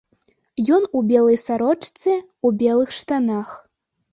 Ён у белай сарочцы, у белых штанах.